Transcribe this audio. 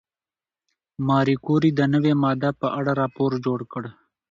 ماري کوري د نوې ماده په اړه راپور جوړ کړ.